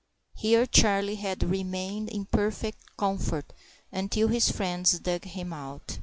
Here Charlie had remained in perfect comfort until his friends dug him out.